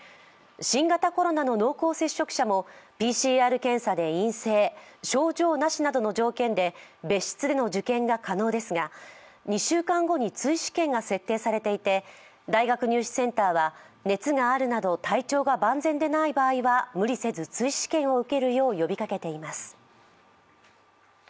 新型コロナの濃厚接触者もＰＣＲ検査で陰性症状なしなどの条件で別室での受験が可能ですが、２週間後に追試験が設定されていて大学入試センターは、熱があるなど体調が万全でない場合は、無理せず追試験を受けるよう呼びかけています。